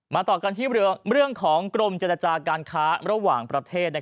ต่อกันที่เรื่องของกรมเจรจาการค้าระหว่างประเทศ